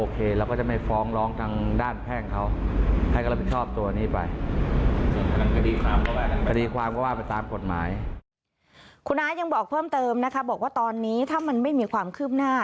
คุณน้ายังบอกเพิ่มเติมนะคะบอกว่าตอนนี้ถ้ามันไม่มีความคืบหน้า